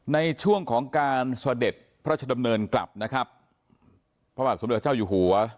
ในช่วงของการเสด็จพระราชดำเนินกลับนะครับพระบาทสมเด็จเจ้าอยู่หัว